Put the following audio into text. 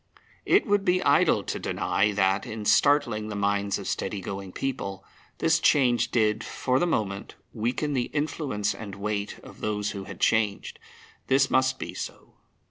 It would be idle to deny that, in startling the minds of steady going people, this change did, for the moment, weaken the influence and weight of those who had changed. This must be so.